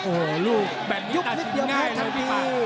โอ้โหลูกยุคนิดเดียวแพ้ทันที